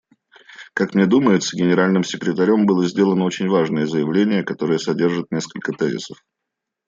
Как мне думается, Генеральным секретарем было сделано очень важное заявление, которое содержит несколько тезисов.